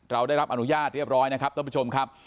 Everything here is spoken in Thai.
เราได้รับอนุญาตเรียบร้อยนะครับท่านผู้ชมครับ